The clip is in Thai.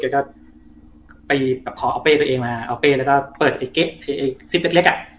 ก็ไปแบบขอเอาเป้ตัวเองมาเอาเป้แล้วก็เปิดไอ้เก๊กไอ้ซิปเล็กอ่ะ